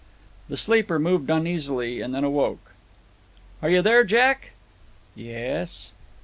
The sleeper moved uneasily, and then awoke. "Are you there Jack?" "Yes."